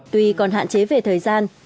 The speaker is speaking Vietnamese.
tuy còn hạn chế về thời gian